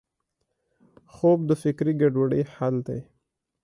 خوب د فکري ګډوډۍ حل دی